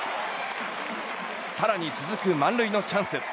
更に続く満塁のチャンス。